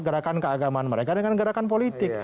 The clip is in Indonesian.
gerakan sosial gerakan keagamaan mereka dengan gerakan politik